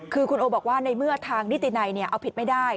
คือคุณโอบอกว่าในเมื่อทางนิตินัยเอาผิดไม่ได้